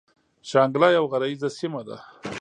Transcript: شانګله يوه غريزه سيمه ده ـ